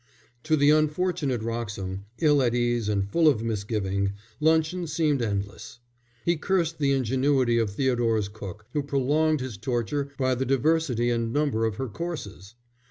To the unfortunate Wroxham, ill at ease and full of misgiving, luncheon seemed endless. He cursed the ingenuity of Theodore's cook, who prolonged his torture by the diversity and number of her courses.